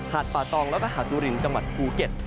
ป่าตองแล้วก็หาดสุรินทร์จังหวัดภูเก็ต